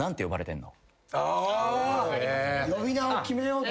呼び名を決めようと。